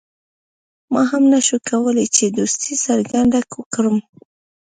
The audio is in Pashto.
ما هم نه شو کولای چې دوستي څرګنده کړم.